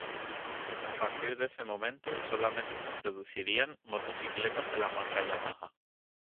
A partir de ese momento solamente se producirían motocicletas de la marca Yamaha.